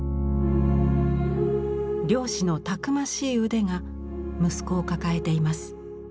漁師のたくましい腕が息子を抱えています。